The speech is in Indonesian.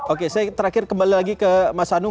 oke saya terakhir kembali lagi ke mas anung